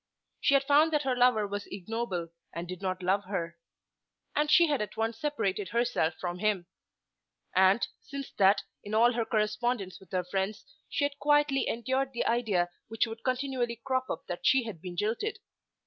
She had found that her lover was ignoble, and did not love her. And she had at once separated herself from him. And, since that, in all her correspondence with her friends she had quietly endured the idea which would continually crop up that she had been jilted.